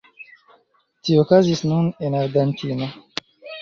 Tio okazis nun en Argentino.